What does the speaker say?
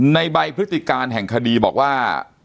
ในใบพฤติการแห่งคดีบอกว่า